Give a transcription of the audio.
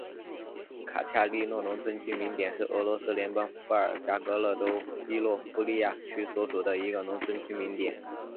卡恰利诺农村居民点是俄罗斯联邦伏尔加格勒州伊洛夫利亚区所属的一个农村居民点。